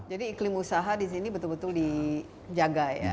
jadi iklim usaha di sini betul betul dijaga ya